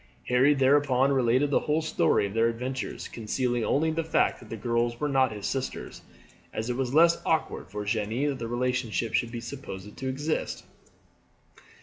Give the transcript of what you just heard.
Harry thereupon related the whole story of their adventures, concealing only the fact that the girls were not his sisters; as it was less awkward for Jeanne that this relationship should be supposed to exist.